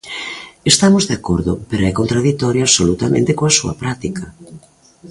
Estamos de acordo, pero é contraditorio absolutamente coa súa práctica.